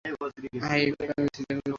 High, papa - বেঁচে থাকো, পুত্র।